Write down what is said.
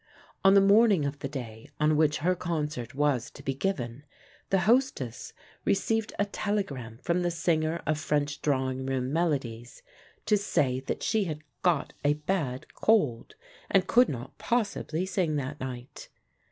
On the morning of the day on which her concert was to be given, the hostess received a telegram from the singer of French drawing room melodies to say that she had got a bad cold, and could not possibly sing that night.